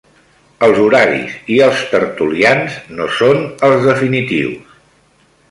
Els horaris i els tertulians no són els definitius.